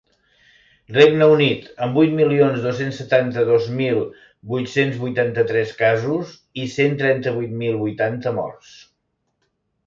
Regne Unit, amb vuit milions dos-cents setanta-dos mil vuit-cents vuitanta-tres casos i cent trenta-vuit mil vuitanta morts.